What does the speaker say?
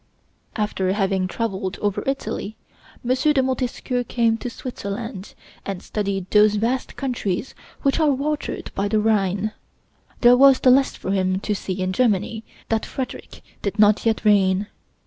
After having traveled over Italy, M. de Montesquieu came to Switzerland and studied those vast countries which are watered by the Rhine. There was the less for him to see in Germany that Frederick did not yet reign.